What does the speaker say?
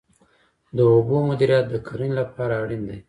د اوبو مدیریت د کرنې لپاره اړین دی